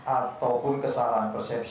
ataupun kesalahan persepsi